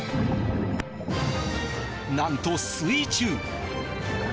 何と、水中。